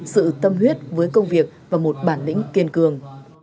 sự tâm huyết với công việc và một bản lĩnh kiên cường